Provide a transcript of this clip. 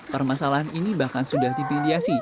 permasalahan ini bahkan sudah dipeliasi